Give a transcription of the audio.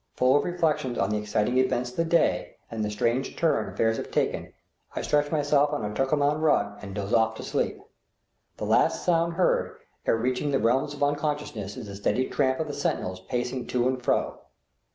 Full of reflections on the exciting events of the day and the strange turn affairs have taken, I stretch myself on a Turkoman rug and doze off to sleep. The last sound heard ere reaching the realms of unconsciousness is the steady tramp of the sentinels pacing to and fro.